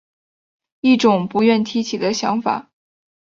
一种不愿提起的想法